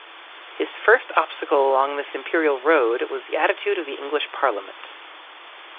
His first obstacle along this imperial road was the attitude of the English Parliament.